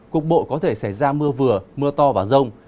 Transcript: cục bộ có thể xảy ra mưa vừa mưa to và rông